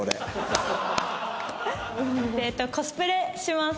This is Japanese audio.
えっとコスプレします。